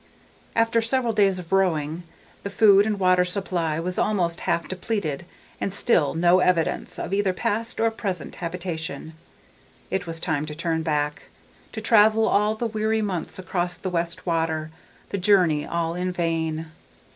After several days of rowing, the food and water supply was almost half depleted and still no evidence of either past or present habitation. It was time to turn back, to travel all the weary months across the West Water, the journey all in vain.